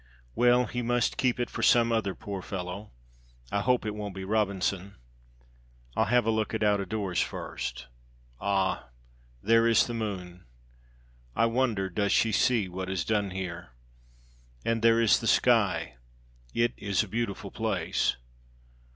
Well, he must keep it for some other poor fellow. I hope it won't be Robinson. I'll have a look at out a doors first. Ah! there is the moon. I wonder does she see what is done here. And there is the sky; it is a beautiful place.